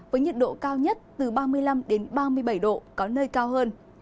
với nhiệt độ cao nhất từ ba mươi năm ba mươi bảy độ có nơi cao hơn